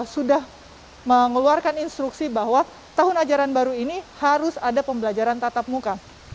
sudah mengeluarkan instruksi bahwa tahun ajaran baru ini harus ada pembelajaran tatap muka